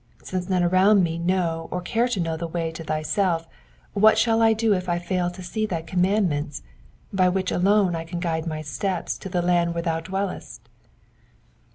Since none around me know or care to know the way to thyself, what shall I do if I fail to see thy com mands, by which alone I can guide my steps to the land where thou dwellest